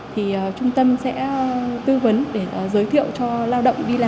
thì trung tâm sẽ tư vấn để giới thiệu cho lao động đi làm